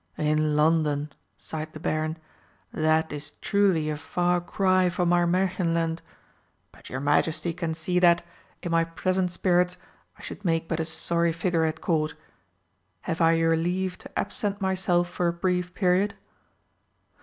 "In London!" sighed the Baron. "That is truly a far cry from our Märchenland! But your Majesty can see that, in my present spirits, I should make but a sorry figure at Court. Have I your leave to absent myself for a brief period!"